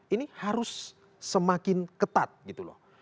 ini harus semakin ketat gitu loh